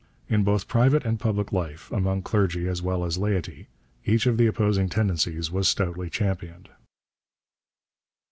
In both private and public life, among clergy as well as laity, each of the opposing tendencies was stoutly championed.